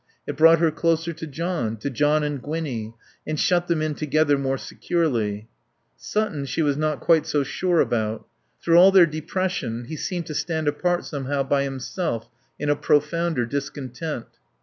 It brought her closer to John, to John and Gwinnie, and shut them in together more securely. Sutton she was not quite so sure about. Through all their depression he seemed to stand apart somehow by himself in a profounder discontent.